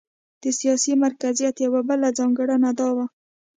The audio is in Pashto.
د سیاسي مرکزیت یوه بله ځانګړنه دا وه.